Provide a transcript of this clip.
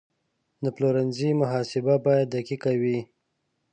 د پلورنځي محاسبه باید دقیقه وي.